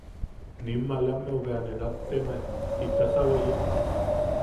Nim malameu bea ne nattemae: –¿Jitasa weye?